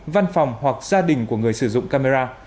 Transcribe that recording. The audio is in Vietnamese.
văn phòng hoặc gia đình của người sử dụng camera